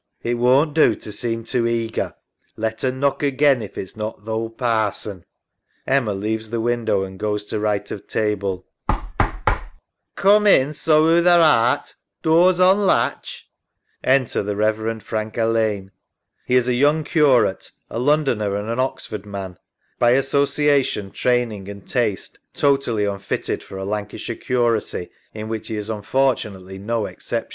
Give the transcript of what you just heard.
It won't do to seem too eager. Let un knock again if it's not th' ould Parson. (Emma leaves the window and goes to right of table. The knock is repeated. Raising her voice) Coom in so who tha art. Door's on latch. [Enter the Rev. Frank Alleyne. He is a young curate, a Londoner and an Oxford man, by association, training, and taste, totally unfitted for a Lancashire curacy, in which he is unfortunately no exception.